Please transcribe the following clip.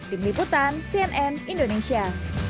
tim liputan cnn indonesia